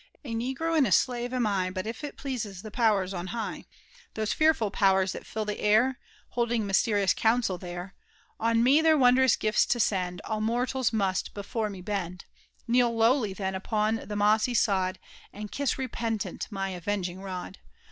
A negro and a slave am I ;» But if it please the poiwers on hig^ o Those fearfbl powers that fill the air. Holding mysteriene oiimsel tliere> On me their wondroua gifts to send, [ All mortals must before me bend. Kneel lowljr then upon the mossy sod. And kisa repentant my avenging r«d.